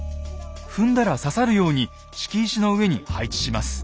踏んだら刺さるように敷石の上に配置します。